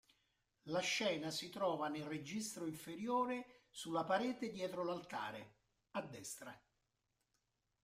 La scena si trova nel registro inferiore sulla parete dietro l'altare, a destra.